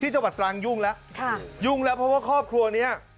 จังหวัดตรังยุ่งแล้วค่ะยุ่งแล้วเพราะว่าครอบครัวเนี้ย